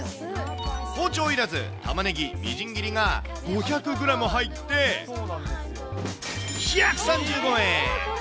包丁いらず、タマネギみじん切りが５００グラム入って、１３５円。